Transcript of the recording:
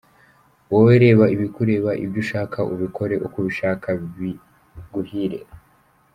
Wowe reba ibikureba, ibyo ushaka ubikore uko ubishaka, biguhire.